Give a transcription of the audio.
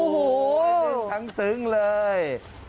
เป็นคังซึ้งเลย